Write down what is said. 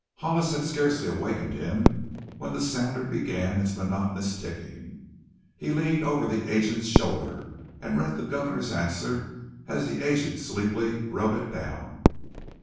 Hollis had scarcely awakened him when the sounder began its monotonous ticking. He leaned over the agent's shoulder and read the governor's answer as the agent sleepily wrote it down.